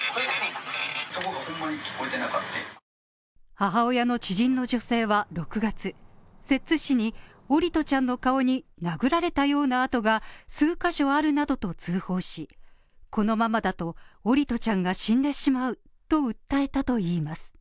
母親の知人の女性は６月、摂津市に桜利斗ちゃんの顔に殴られたような跡が数カ所あるなどと通報し、このままだと桜利斗ちゃんが死んでしまうと訴えたといいます。